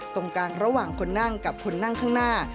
ตรงกลางระหว่างคนนั่งกับคนนั่งข้างหน้า